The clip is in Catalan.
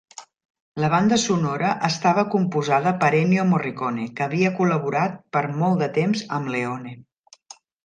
La banda sonora estava composada per Ennio Morricone, que havia col·laborat per molt de temps amb Leone.